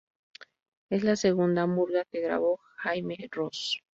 Es la segunda murga que grabó Jaime Ross.